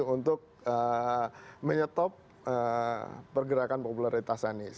untuk menyetop pergerakan populeritas